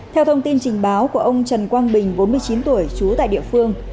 theo thông tin trình báo của ông trần quang bình bốn mươi chín tuổi trú tại địa phương